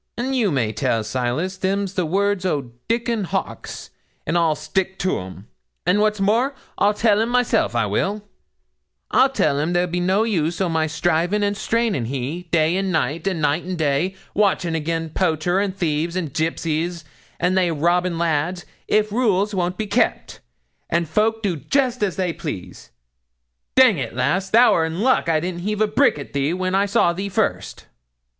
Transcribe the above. And you may tell Silas them's the words o' Dickon Hawkes, and I'll stick to 'm and what's more I'll tell him myself I will; I'll tell him there be no use o' my striving and straining hee, day an' night and night and day, watchin' again poachers, and thieves, and gipsies, and they robbing lads, if rules won't be kep, and folk do jist as they pleases. Dang it, lass, thou'rt in luck I didn't heave a brick at thee when I saw thee first.'